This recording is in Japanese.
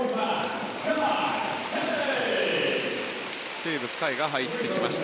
テーブス海が入ってきました。